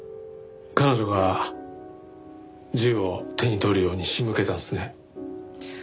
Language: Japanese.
彼女が銃を手に取るように仕向けたんですね？